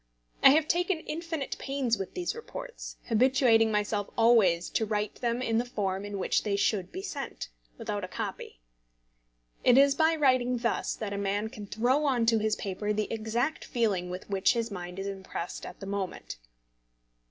I have taken infinite pains with these reports, habituating myself always to write them in the form in which they should be sent, without a copy. It is by writing thus that a man can throw on to his paper the exact feeling with which his mind is impressed at the moment.